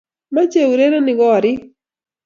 Machei urerenik koriik